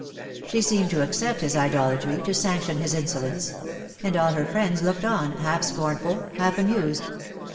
She seemed to accept his idolatry, to sanction his insolence ; and all her friends looked on, half scornful, half amused.